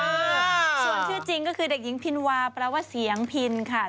ส่วนชื่อจริงก็คือเด็กหญิงพินวาแปลว่าเสียงพินค่ะ